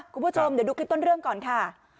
คุณผู้ชมเดี๋ยวดูคลิปต้นเรื่องก่อนค่ะ